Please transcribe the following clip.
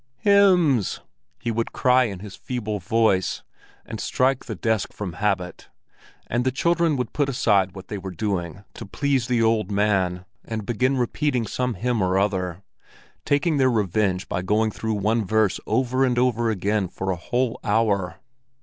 "Hymns!" he would cry in his feeble voice, and strike the desk from habit; and the children would put aside what they were doing to please the old man, and begin repeating some hymn or other, taking their revenge by going through one verse over and over again for a whole hour.